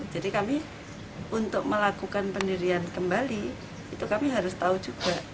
jadi kami untuk melakukan penirian kembali itu kami harus tahu juga